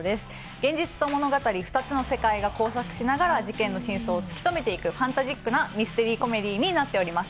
現実と物語２つの世界が交錯しながら事件の真相を突き止めていくファンタジックなミステリーコメディーになっています。